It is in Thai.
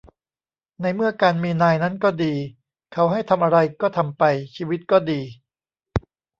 ในเมื่อการมีนายนั้นก็ดี เขาให้ทำอะไรก็ทำไป ชีวิตก็ดี